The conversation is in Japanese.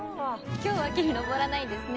今日は木に登らないんですね。